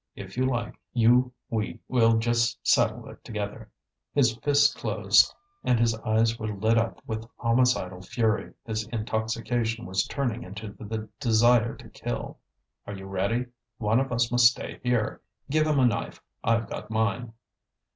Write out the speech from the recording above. If you like, you, we will just settle it together." His fists closed and his eyes were lit up with homicidal fury; his intoxication was turning into the desire to kill. "Are you ready? One of us must stay here. Give him a knife; I've got mine."